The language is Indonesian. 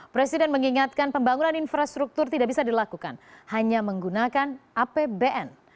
presiden mengingatkan pembangunan infrastruktur tidak bisa dilakukan hanya menggunakan apbn